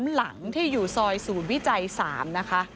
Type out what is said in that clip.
หลังที่อยู่ซอยศูนย์วิจัย๓นะคะ